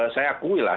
saya akui lah